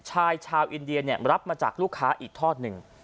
ชายชาวอินเดียรับมาจากลูกค้าอีกทอดหนึ่ง